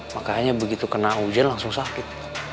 makanya begitu kena hujan langsung sakit